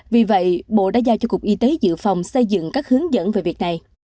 vì vậy bộ đã giao cho cục y tế dự phòng xây dựng các hướng dẫn về việc này